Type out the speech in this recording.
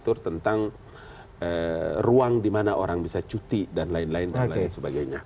mengatur tentang ruang dimana orang bisa cuti dan lain lain dan lain sebagainya